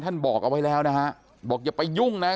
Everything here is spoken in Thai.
บอกเอาไว้แล้วนะฮะบอกอย่าไปยุ่งนะ